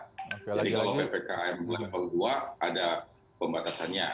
jadi kalau ppkm level dua ada pembatasannya